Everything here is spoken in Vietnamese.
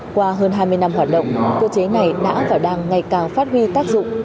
qua hơn hai mươi năm hoạt động cơ chế này đã và đang ngày càng phát huy tác dụng